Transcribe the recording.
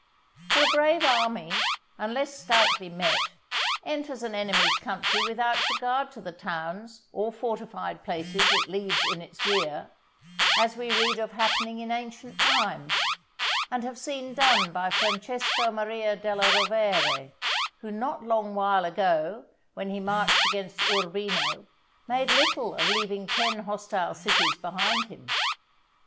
For a brave army, unless stoutly met, enters an enemy's country without regard to the towns or fortified places it leaves in its rear, as we read of happening in ancient times, and have seen done by Francesco Maria della Rovere, who no long while ago, when he marched against Urbino, made little of leaving ten hostile cities behind him.